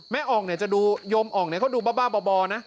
อ่องเนี่ยจะดูโยมอ่องเนี่ยเขาดูบ้าบ่อนะ